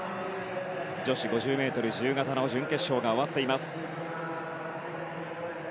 女子５０ｍ自由形の準決勝が終わっています。